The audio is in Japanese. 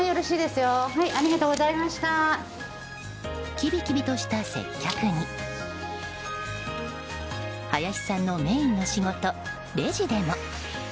きびきびとした接客に林さんのメインの仕事、レジでも。